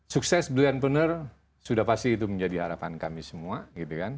sukses brilliantpreneur sudah pasti itu menjadi harapan kami semua gitu kan